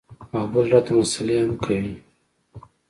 او بل راته مسالې هم کوې.